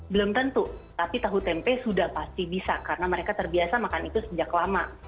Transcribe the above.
belum tentu tapi tahu tempe sudah pasti bisa karena mereka terbiasa makan itu sejak lama